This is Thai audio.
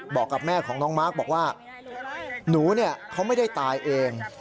บอกกับแม่ของน้องมาร์คบอกว่าหนูเขาไม่ได้ตายเอง